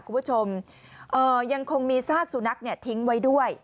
คุณผู้ชมยังคงมีซากสุนัขทิ้งไว้ด้วย